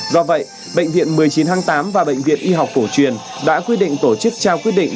do vậy bệnh viện một mươi chín tháng tám và bệnh viện y học cổ truyền đã quyết định tổ chức trao quyết định